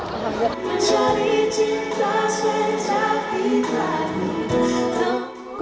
mencari cinta sejak kita berdua